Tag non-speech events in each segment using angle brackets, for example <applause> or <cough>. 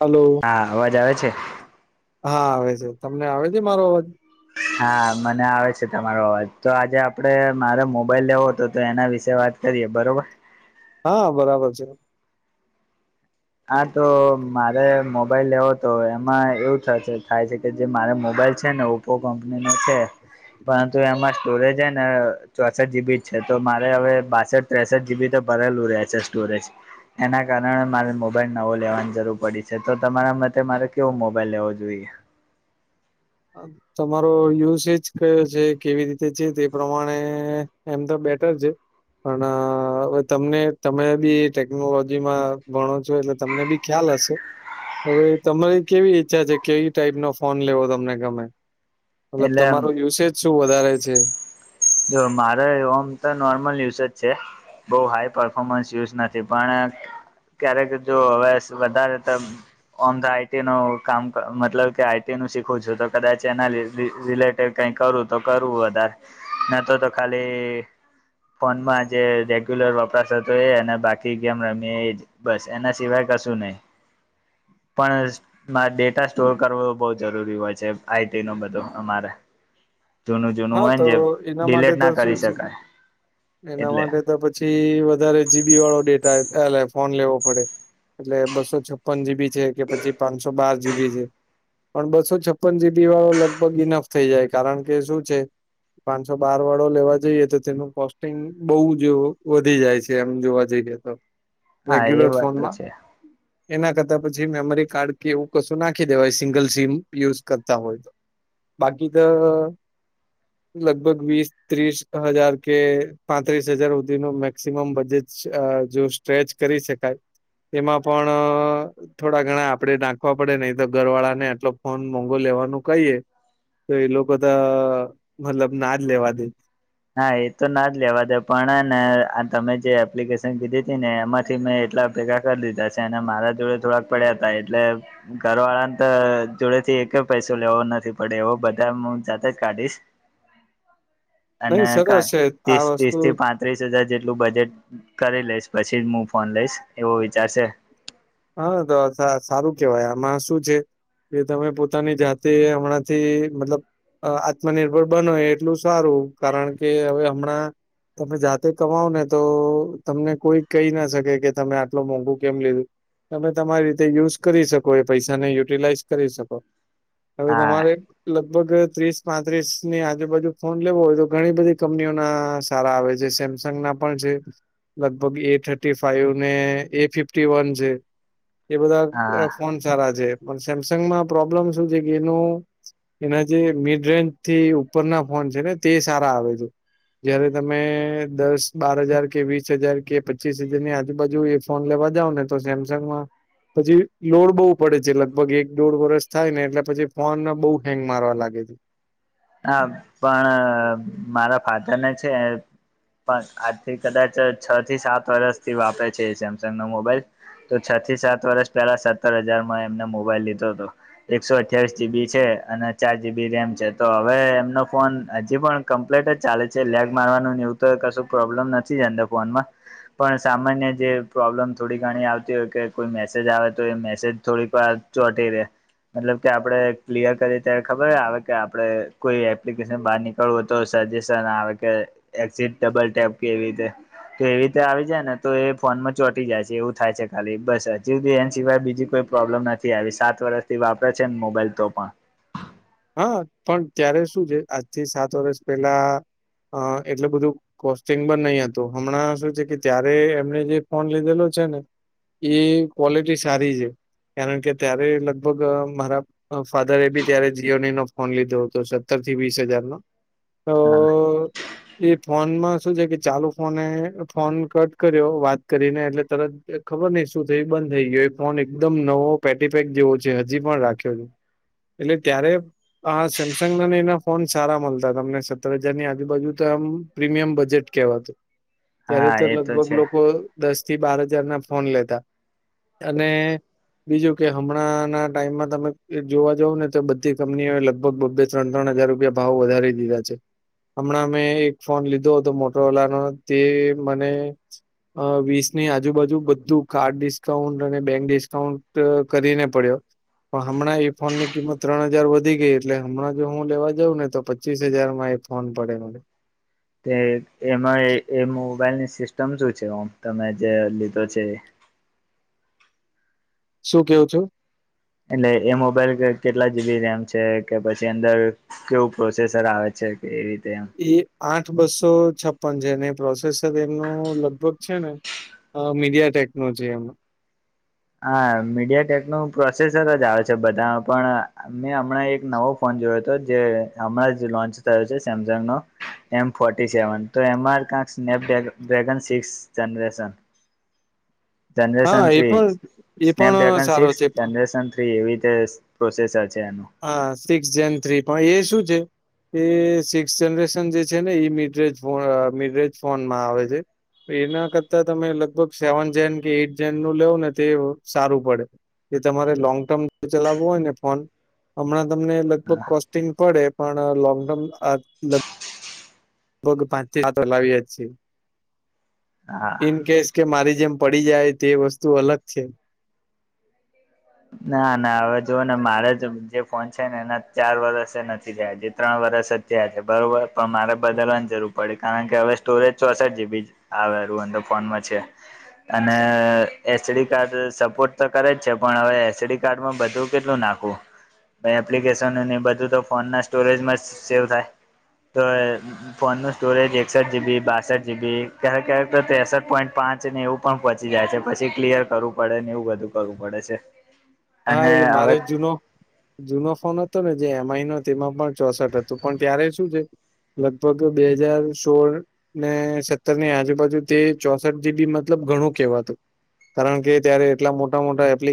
Hello. હા અવાજ આવે છે. હા આવે છે તમને આવે છે મારો અવાજ. હા મને આવે છે તમારો અવાજ, તો આજે આપદે મારે મોબાઈલ લેવો હતો તો એના વિશે વાત. કરીએ બરોબર હા બરાબર છે. હા તો મારે મોબાઈલ લેવો હતો એમાં એવું થાય છે કે જે મારે મોબાઈલ છે ને ઓપો કંપની નો છે પરંતુ એમાં સ્ટોરેજ હે ને ચોસઠ જીબી છે તો મારે હવે બાસઠ ત્રેસઠ જીબી તો ભરેલું રહે છે સ્ટોરેજ એના કારણે મારે મોબ મોબાઈલ નવો લેવાની જરૂર પડી છે તો તમારા મતે મારે કેવો મોબાઈલ લેવો જોઈએ. અ તમારો યુજેજ કયો છે કેવી રીતે છે તે પ્રમાણે એમ તો બેટર છે પણ અ હવે તમને તમે બી ટેકનોલોજી માં ભણો છો એટલે તમને બી ખ્યાલ હશે હવે તમારી કેવી ઈચ્છા છે કેવી ટાઈપ નો ફોન લેવો તમને ગમે મતલબ એટલે તમારો યુસેજ શું વધારે છે જો મારે ઓમ તો નોર્મલ યુઝ જ છે. બઉ હાઈ પરફોર્મન્સ યુઝ નથી પણ ક્યારેક જો હવે વધારે તો ઓમ તો આઈટી નું કામ મતલબ કે આઈટી નું શીખું છું તો કદાચ એના રી ટેડ કાઈ કરું તો કરવું વધારે ન તો તો ખાલી ફોનમાં જે રેગ્યુલર વપરાશ હતો એ અને બાકી ગેમ રમી એ એજ બસ એના સિવાય કશું નહી પણ ડેટા સ્ટોર કરવો બહું જરૂરી હોય છે આઈટી નો બધો અમારે જૂનું જૂનું હા હોય ને તો જે એના માટે ડિલેટ તો ના કરી શું છે શકાય એના એટલે માટે તો પછી વધારે જીબી વાળો ડેટા એટલે ફોન લેવો પડે એટલે બસો છપ્પન જીબી છે કે પછી પાંચસો બાર જીબી છે. પણ બસો છપ્પન જીબી વાળો લગભગ ઈનફ થઈ જાય કારણ કે શું છે પાંચસો બાર વાળો લેવા જઈએ તો તેનું કોસ્ટિંગ બહુ જ વધી જાય છે જેમ જોવા જઈએ તો હા એ રેગ્યુલર વાત તો ફોનમાં છે એના કરતાં પછી મેમરી કાર્ડ કે એવું કશું નાખી દેવાય સિંગલ સીમ યુઝ કરતા હોય તો બાકી તો લગભગ વીસ ત્રીસ હજાર કે પાંત્રીસ હજાર સુધી નું મેક્સિમમ બજેટ અ જો સ્ટ્રેચ કરી શકાય તેમાં પણ અ થોડા ઘણા આપડે નાંખવા પડે નહી તો ઘર વાળા ને આટલો ફોન મોંઘો લેવાનું કહીએ તો એ લોકો તો મતલબ ના જ લેવા દે ના એ તો ના જ લેવા દે પણ ને તમે જે એપ્લિકેશન કીધી હતી ને એમાંથી મેં એટલા ભેગા કરી દીધા છે અને મારા જોડે થોડાક પડ્યા હતા એટલે ઘર વાળા ને તો જોડે થી એક જ પૈસો લેવો નથી પડે એવો બધા હું જાતે જ કાઢીશ અને નહી સરસ છે આ ત્રીસ ત્રીસ વસ્તુ થી પાંચ ત્રીસ હજાર જેટલું બજેટ કરી લઈશ પછી જ હું ફોન લઈશ એવો વિચારશે હા તો સારું કેવાય આમાં શું છે કે તમે પોતાની જાતે હમણાંથી મતલબ અ આત્મનિર્ભર બનો એટલું સારું કારણ કે હવે હમણાં તમે જાતે કમાવ ને તો તમને કોઈ કહી ના શકે કે તમે આટલું મોંઘું કેમ લીધું તમે તમારી રીતે યુઝ કરી શકો એ પૈસાને યુટિલાઈઝ કરી શકો હવે હા તમારે લગભગ ત્રીસ પાંત્રીસ ની આજુબાજુ ફોન લેવો હોય તો ઘણી બધી કંપનીઓ ના સારા આવે છે સેમ સંગના પણ છે લગભગ એ થર્ટી ફાઈવ ને એ ફિફ્ટી વન છે એ હા બધા ફોન સારા છે પણ સેમસંગમાં પ્રોબ્લેમ શું છે કે એનું એના જે મીડ રેન્જ થી ઉપરના ફોન છે ને તે સારા આવે છે. જયારે તમે દસ બાર હજાર કે વીસ હજાર કે પચીસ હજાર ની આજુબાજુ ફોન લેવા જાવ ને તો સેમસંગ માં પછી લોડ બહુ પડે છે લગભગ એક દોઢ વરષ થાય ને એટલે પછી ફોન બહુ હેંગ મારવા લાગે છે. હા પણ મારા ફાધર ને છે પન આજથી કદાચ છ થી સાત વરસથી વાપરે છે, સેમસંગ નો મોબાઈલ. તો છ થી સાત વરસ પેલા, સત્તર હજારમાં એમને મોબાઈલ લીધો હતો. એકસો અઠ્યાવીસ જીબી છે અને ચાર જીબી રેમ છે. તો હવે એમનો ફોન હજી પણ કમ્પ્લેટ જ ચાલે છે, લેગ મારવાનું એવું તો કશું પ્રોબ્લેમ નથી જ અંદર. ફોનમાં. પણ સામાન્ય જે પ્રોબ્લેમ થોડી ઘણી આવતી હોય, કે કોઈ મેસેજ આવે તો એ મેસેજ થોડીક વાર ચોટી રે. મતલબ કે આપડે ક્લિયર કરીએ ત્યારે ખબર આવે કે આ આપડે કોઈ એપ્લિકેસન બહાર નીકળવું, તો સજેશન આવે કે. એક્ઝિટ, ડબલ ટેપ કે એવી રીતે. તો એવી ઈતે આવી જાય ને, તો એ ફોનમાં ચોટી જાય સે એવું થાય છે ખાલી. બસ હજી એન સિવાય બીજી કોઈ પ્રોબ્લેમ નથી આવી. સાત વરસથી વાપરે છે ને, મોબાઈલ તો પણ. હા પણ ત્યારે શું છે, આજથી સાત વરસ પેલા અ એટલુ બધુ કોસ્ટિંગ બ નઈ હતું. હમણાં શું છે, કે ત્યારે એમને જે ફોન લીધેલો છે ને. એ ક્વોલિટી સારી છે. કારણ કે ત્યારે લગભગ મારા ફાધરે એ બી ત્યારે જ. જીયોની નો ફોન લીધો હતો, સત્તર થી વીસ હજાર નો. તો હા એ ફોનમાં શું છે કે, ચાલુ ફોને ફોન કટ કર્યો વાત કરીને એટલે તરત એ ખબર નઈ શું થય બંધ થઈ ગયો, એ ફોન એકદમ નવો પેટી પેક જેવો છે. હજી પણ રાખ્યો છ. ત્યારે આ સેમસંગ ના ને એના ફોન સારા મલતા તા. મને સત્તર હજાર ની આજુબાજુ તો એમ, પ્રીમિયમ બજેટ કેવાતું. ત્યારે હા તો એ લગભગ છે લોકો દસ થી બાર હજાર ના ફોન લેતા. અને બીજું કે હમણાં ના ટાઈમમાં તમે જોવા જાવ ને તો બધ તે કંપનીઓએ લગભગ બબે ત્રણ ત્રણ હજાર રૂપિયા ભાવ વધારી દીધા છે. હમણાં મેં એક ફોન લીધો હતો મોટોરોલાનો તે મને અ વીસ ની આજુબાજુ બધું કાર્ડ ડિસ્કાઉન્ટ અને બેંક ડિસ્કાઉન્ટ કરીને પડ્યો. હમણા એ ફોન ની કિમત ત્રણ હજાર વધી ગઈ એટલે હમણાં જો હું લેવા જઉં ને, તો પચીસ હજારમાં એ ફોન પડે મને. તે એમાં એ એ મોબાઈલની સિસ્ટમ શું છે? ઓમ તમે જે લીધો છે એ. શું કેવ છું? એટલે એ મોબાઈલ કેટલા જીબી રેમ છે, કે પછી અંદર કેવું પ્રોસેસર આવે છે, એ રીતે. એમ એ આઠ બસો છપ્પન છે, ને પ્રોસેસર એમનું લગભગ છે ને. અ મીડિયા ટેકનો છે એમ. હા મીડિયા ટેકનો પ્રોસેસર જ આવે છે, બધામાં પણ મેં હમણાં એક નવો ફોન જોયો તો, જે હમણાં જ લોન્ચ થયો સે સેમસંગ નો. એમ ફોર્ટી સેવન, તો એમાં કાક Snapdragon six generation. <inaudible> હા જનરેશન એ થ્રી પણ જ. એ પણ સ્નેપડ્રેગન સારો સિક્સ છે પણ જનરેસન થ્રી એવી રીતે પ્રોસેસર છે એનું. હા સિક્સ જેન થ્રી પણ એ શું છે? એ સિક્સ જનરેશન જે છે, ને ઈ મિડરેજ ફો અ મિડરેજ ફોનમાં આવે છે. એના કરતા તમે લગભગ સેવન જેન કે એઈટ જેન નું લેવ ને તે સારુ પડે. એ તમારે લોંગ ટર્મ ચલાવવું હોય ને ફોન. હમણાં તમને લગભગ કોસ્ટિંગ પડે, પણ લોંગ ટર્મ અ લ લગભગ પાંચથી સાતો લાવીએ જ છિએ. હા ઇન કેસ કે મારી જેમ પડી જાય, તે વસ્તુ અલગ છે. ના ના હવે જુઓ ને મારે જ જે ફોન છે ને, એના ચાર વરષ એ નથી જાય. જે ત્રણ વરસ જ થયા છે, બરોબર પણ મારે બદલવાની જરૂર પડી, કાય કે હવે સ્ટોરેજ ચોસઠ જીબી છ આવે અંદર ફોનમાં છે. અને એચડી કાર્ડ સપોર્ટ તો કરે જ છે. પણ હવે એસીડી કાર્ડમાં બધું કેટલું નાખવું. એપ્લિકેશન બધું તો ફોન ના સ્ટોરેજમાં સેવ થાય તો. ફોનનું સ્ટોરેજ એકસઠ જીબી, બાસઠ જીબી ક્યારેક કક તો ત્રેસઠ પોઈન્ટ પાંચ ને એવું. પણ પહોંચી જાય છે, પછી કલિયર કરવું પડે ને, બધું કરવું પડે છે. હા, અને એ હવે મારે જૂનો જૂનો ફોન હતો ને, જે એમ આઈ નો તેમાં પણ ચોસઠ હતો, પણ ત્યારે શું છે. લગભગ બે હજાર સોળ. ને સત્તર ની આજુબાજુ, તે ચોસઠ જીબી મતલબ ઘણું કેવાતું. કારણ કે ત્યારે એટલા મોટા મોટા એપ્લિ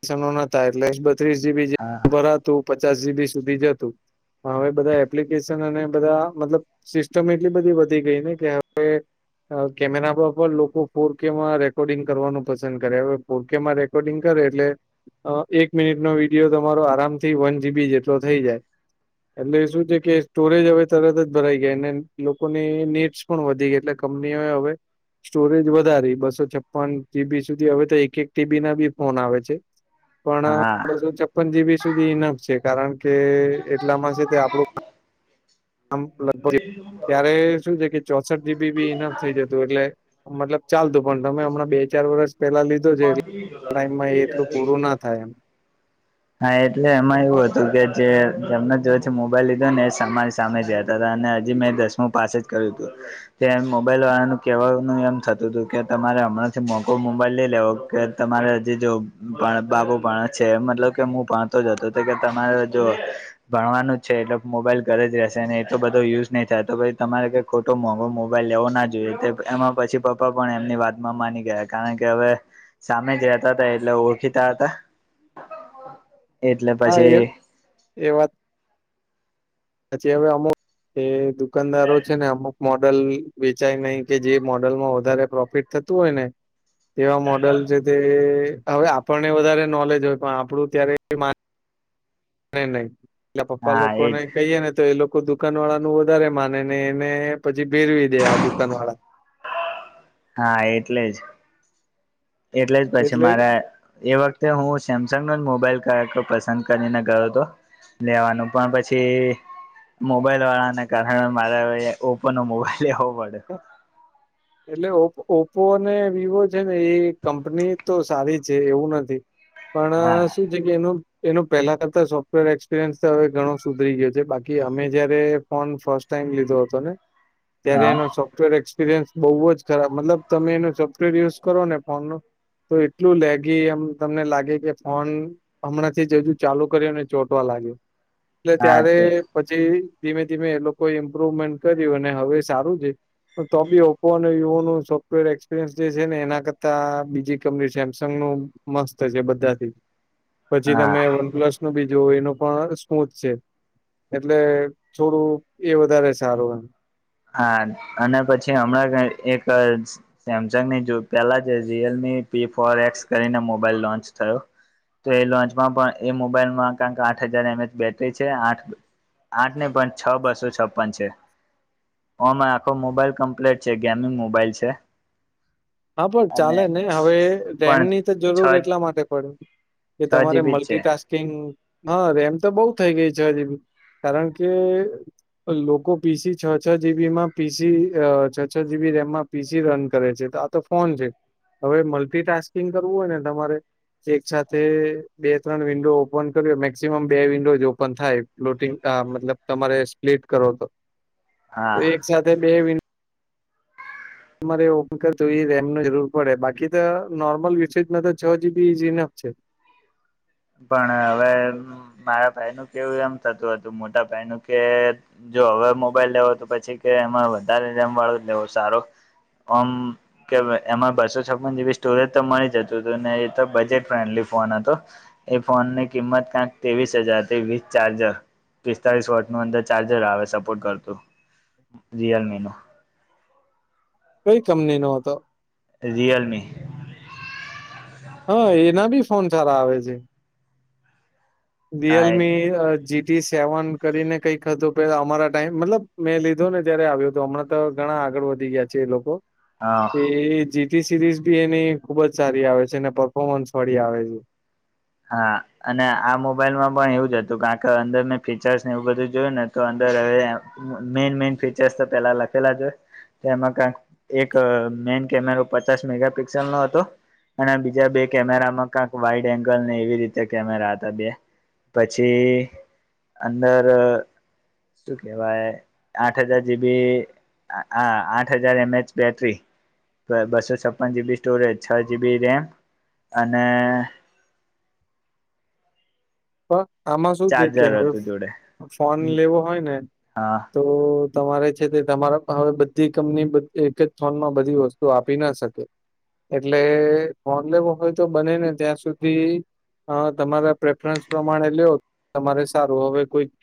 કેશન ન હતા, એટલે બત્રીસ જીબી. જે હા. પચાસ જીબી સુધી જ હતું, પણ હવે બધા એપ્લિકેશન અને બધા મતલબ સિસ્ટમ એટલી બધી વધી ગઈ ને, કે હવે કેમેરામાં પણ લોકો ફોરકે માં રેકોર્ડિંગ કરવાનું પસંદ કરે, હવે ફોરકે માં રેકોર્ડિંગ કરે. એટલે એક મિનિટ નો વિડીયો, તમારો આરામથી વન જીબી જેટલો થઈ જાય. એટલે શું છે કે, સ્ટોરેજ હવે તરત જ ભરાઈ જાય, અને લોકોને નીચ વધી ગઈ, એટલે કંપનીઓ હવે સ્ટોરેજ વધારી બસો છપન જીબી સુધી હવે તો એક-એક ટીબી ના બી ફોન આવે છે. હા પાણસો ચપ્પન જીબી સુધી ઇનફ છે. કારણ કે એટલામાં છે, તે આપડું આમ લગભગ ત્યારે શું છે કે, ચોસઠ જીબી બી ઇનફ થઈ જતું એટલે મતલબ ચાલતું, પણ તમે હમણાં બે-ચાર વર્ષ પેલા લીધો છે, ટાઈમમાં એ એટલું પૂરું ના થાય એમ. હા, એટલે એમાં એવું હતું કે, જે એમને જોથી મોબાઈલ લીધો ને, એ સમાન સામે જતા હતા, અને હજી મેં દસમું પાસે જ કર્યું હતું. તે મોબાઈલ વાળા નું કેવાનું એમ થતું હતું કે, તમારે હમણાંથી મોકો મોબાઈલ લઈ લેવો કે. તમારે જે જો પણ બાબુ પણ છે, મતલબ. કે, હું વાતો જ હતો, તો કે તમારે જો ભણવાનું જ છે, એટલે મોબાઈલ ઘરે જ રહેશે, અને એટલો બધો યુઝ નહી થાય, તો પછી તમારે ખોટો મોંઘો મોબાઈલ લેવો ના જોઈએ, એમાં પછી પપ્પા પણ એમની વાતમાં માની ગયા, કારણ કે હવે સામે જતા હતા, એટલે ઓળખીતા હતા. એટલે હા, એ પછી એ વાત. પછી હવે અમુક એ દુકાનદારો છે ને, અમુક. મોડલ વેચાય નહી કે, જે મોડલમાં વધારે પ્રોફિટ થતું હોય ને. તેવા મોડલ છે, તે હવે આપણને વધારે નોલેજ હોય, પણ આપણું ત્યારે નઈ નહી, એલા પપ્પા હા લોકો એજ ને કહીયે ને, તો એ લોકો દુકાન વાળા નું વધારે માને ને, એને પછી ભેરવી દે, આ દુકાન વાળા. હા, એટલે જ. એટલે જ પછી મારે. એ વખતે હું સેમસંગ નો જ મોબાઈલ ક પસંદ કરીને ગયો હતો. લેવાનું પણ પછી. મોબાઈલ વાળાને, કારણે મારે ઓપો નો, મોબાઈલ લેવો પડે. <unintelligible> એટલે ઓપ ઓપ્પો અને વિવો છે ને, એ કંપની તો સારી છે, એવું નથી. હા પણ શું છે? એ પેલા તો સોફ્ટવેર એક્સપિરિયન્સ તો, હવે ઘણો સુધરી ગયો છે, બાકી અમે જયારે ફોન ફર્સ્ટ ટમ લીધો હતો ને, ત્યારે હા એનો સોફ્ટવેર એક્સપિરિયન્સ બહુ જ ખરાબ મતલબ, તમે એનું સોફ્ટવેર યુઝ કરો ને ફોનનું. તો એટલું લેગી એમ તમને લાગે કે ફોન. હમણાં થી જ હજુ ચાલુ કર્યો ને, ચોટવા લાગ્યો એટલે હા ત્યારે. તે પછી ધીમે ધીમે એ લોકો ઇમ્પ્રુવમેન્ટ કર્યું અને હવે સારું છે તો બી ઓપ્પો અને વિવો નું સોફ્ટવેર એક્સપિરિયન્સ જે છે ને એના કરતા બીજી કંપની સેમસંગ નું મસ્ત છે બધાથી પછી હા તમે વનપ્લસ નું બી જોવ એનું પણ સ્મૂથ છે એટલે થોડું એ વધારે સારું એમ હા અને પછી હમણાં એક અ સેમસંગની જો પેલા જે રિયલમી પી ફોર એક્સ કરીને મોબાઈલ લોન્ચ થયો તો એ લોન્ચમાં પણ એ મોબાઈલમાંં કાક આઠ હજાર એમ એચ બેટરી છે આઠ આઠ નહી પણ છ બસો છપ્પન છે. હમણાં આખો મોબાઈલ કમ્પ્લેટ છે ગેમિંગ મોબાઈલ છે હા પણ અને ચાલે ને હવે પણ રેમની તો છ જરૂર એટલા માટે પડે કે છ તમારે જીબી જ છે મલ્ટીટાસ્ક કિંગ હા રેમ તો બઉ થઈ ગઈ છે છ જીબી કારણ કે લોકો પીસી છ છ જીબી માં પીસી છ છ જીબી રેમમાં પીસી રન કરે છે તો તો ફોન છે હવે મલ્ટીટાસ્કિંગ કરવું હોય ને તમારે એક સાથે બે ત્રણ વિન્ડો ઓપન કર્યો મેક્સિમમ બે વિન્ડો જ ઓપન થાય લોટીંગ તા મતલબ તમારે સ્પ્લિટ કરો તો હા એક સાથે બે વિ તમારે ઓમ કર એ રેમ ની જરૂર પડે બાકી તો નોર્મલ યુસેજમાં તો છ જીબી ઇઝીનફ છે પણ હવે મારા ભાઈ નું કેવું એમ થતું હતું મોટા ભાઈ નું કે જો હવે મોબાઈલ લેવો તો પછી કે એમાં વધારે રેમ વાળો લેવો સારો ઓમ કે એમાં બસો છપ્પન જીબી સ્ટોરેજ તો મળી જતું હતું ને એ તો બજેટ ફ્રેન્ડલી ફોન હતો. એ ફોનની કિંમત ક્યાંક ત્રેવીસ હજાર થી વીથ ચાર્જર પિસ્તાળીસ વોટ નું અંદર ચાર્જર આવે સપોર્ટ કરતું રિયલમી નું કઈ કંપની નો હતો. રીયલમી હા એના બી ફોન સારા આવે છે. હા એ રિયલમી જી ત્રીસ સેવન કરીને કઈક હતું પહિ અમારા ટાઈમ મતલબ મેં લીધો ને ત્યારે આવ્યો હતો હમણાં અ ઘણા આગળ વધી ગયા છે એ લોકો હા કે જી ટી સિરીઝ બી એની ખુબ જ સારી આવે છે અને પરર્ફોર્મન્સ વાળી આવે છે. હા અને આ મોબાઈલમાં પણ એવું જ હતું કારણ કે અંદર મેં ફીચર્સ ને એવું બધું જોયું ને તો અંદર હવે મેન મેન ફીચર્સ તો પેલા લખેલા જ હોય તોમાં કઈક એક મેન કેમેરો પચાસ મેગાપિક્સલ નો હતો અને બીજા બે કેમેરામાં કાક વાઈડ એ લને એવી રીતે કેમેરા હતા બે પછી અંદર શું કેવાય આઠ હજાર જીબી અ આઠ હજાર એમ એચ બેટરી બસો છપ્પન જીબી સ્ટોરેજ છ જીબી રેમ અને આમાં શું જે ચાર્જર કેય હતું જોડે ફોન લેવો હોય ને હા તો તો તમારે છે તે તમારા હવે બધી કંપની એક જ ફોનમાં બધી વસ્તુ આપી ના શકે. એટલે ફોન લેવો હોય તો બને ને ત્યાં સુધી અ તમારા પ્રે પ્રેફરન્સ પ્રમાણે લેવો તમારે સારું હવે કોઈ કે